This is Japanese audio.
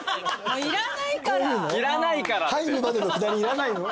入るまでのくだりいらないの？